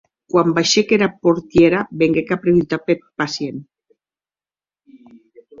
Quan baishèc, era portièra venguec a preguntar peth pacient.